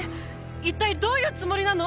一体どういうつもりなの！？